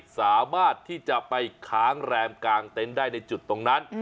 สามารถที่จะไปค้างแรมกลางเต็นต์ได้ในจุดตรงนั้น